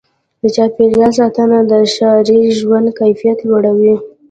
د چاپېریال ساتنه د ښاري ژوند کیفیت لوړوي.